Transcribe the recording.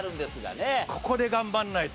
ここで頑張らないと。